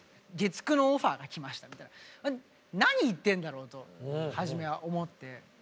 「月９のオファーが来ました」みたいな何言ってるんだろうと初めは思って。